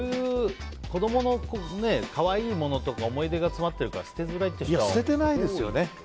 子供の可愛いものとか思い出が詰まっているから捨てずらいって人は多いですよね。